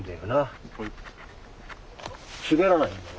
滑らないんだよ